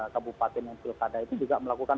kabupaten yang sudah ada itu juga melakukan